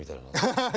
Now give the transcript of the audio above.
ハハハ。